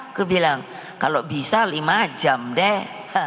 aku bilang kalau bisa lima jam deh